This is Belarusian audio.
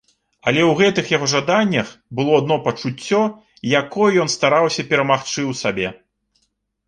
Але ў гэтых яго жаданнях было адно пачуццё, якое ён стараўся перамагчы ў сабе.